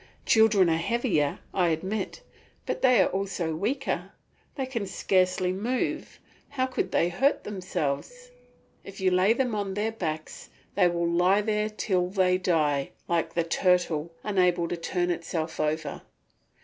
Children are heavier, I admit, but they are also weaker. They can scarcely move, how could they hurt themselves! If you lay them on their backs, they will lie there till they die, like the turtle, unable to turn itself over.